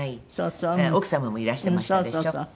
奥様もいらしてましたでしょ。